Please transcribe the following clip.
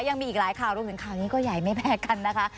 ยังมีอีกหลายข่าวรวมถึงข่าวนี้ก็ใหญ่ไม่แพ้กันนะคะ